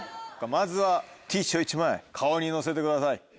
まずはティッシュを１枚顔にのせてください。